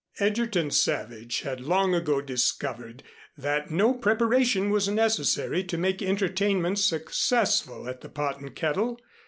Egerton Savage had long ago discovered that no preparation was necessary to make entertainments successful at the "Pot and Kettle."